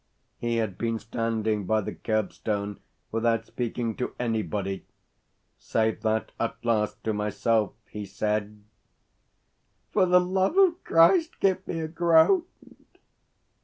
He had been standing by the kerbstone without speaking to anybody save that at last to myself he said, "For the love of Christ give me a groat!"